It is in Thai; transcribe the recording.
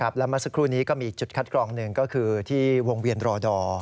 แล้วเมื่อสักครู่นี้ก็มีจุดคัดกรองหนึ่งก็คือที่วงเวียนรอดอร์